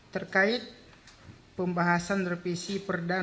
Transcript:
terkait pembahasan revisi perniagaan